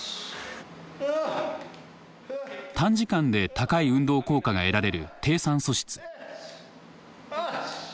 短時間で高い運動効果が得られる低酸素室。